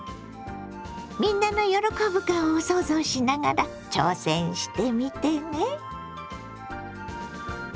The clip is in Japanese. みんなの喜ぶ顔を想像しながら挑戦してみてね。